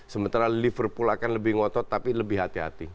sementara liverpool akan lebih ngotot tapi lebih hati hati